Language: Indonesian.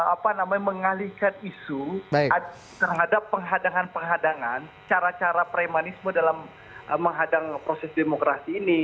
apa namanya mengalihkan isu terhadap penghadangan penghadangan cara cara premanisme dalam menghadang proses demokrasi ini